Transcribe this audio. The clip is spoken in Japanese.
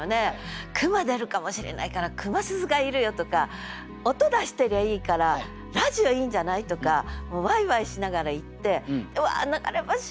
「熊出るかもしれないから熊鈴がいるよ」とか「音出してりゃいいからラヂオいいんじゃない？」とかもうワイワイしながら行って「うわ流れ星きれい」とかって